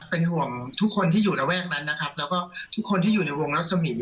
เป็นห่วงทุกคนที่อยู่ระแวกนั้นนะครับแล้วก็ทุกคนที่อยู่ในวงรัศมีร์